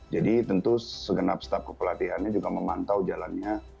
jadi tentu segenap setiap kepelatihannya juga memantau jalannya